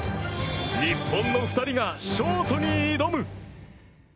日本の２人が、ショートに挑む！